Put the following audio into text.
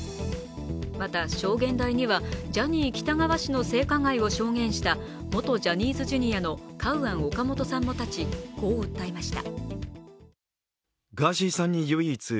また証言台には、ジャニー喜多川氏の性加害を証言した元ジャニーズＪｒ．のカウアン・オカモトさんも立ち、こう訴えました。